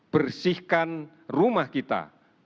bersihkan rumah kita